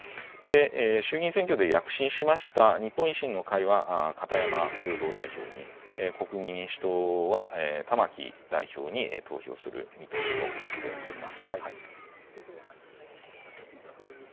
衆議院選挙で躍進しました日本維新の会は、片山共同代表に、国民民主党は玉木代表に投票する見通しとなっております。